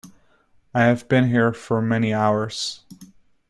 I have been here for many hours.